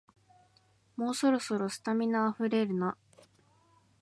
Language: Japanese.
もうそろそろ、スタミナあふれるな